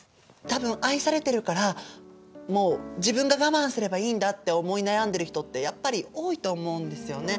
多分愛されてるからもう自分が我慢すればいいんだって思い悩んでる人ってやっぱり多いと思うんですよね。